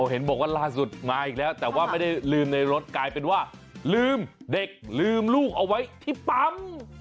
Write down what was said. เห็นบอกว่าล่าสุดมาอีกแล้วแต่ว่าไม่ได้ลืมในรถกลายเป็นว่าลืมเด็กลืมลูกเอาไว้ที่ปั๊ม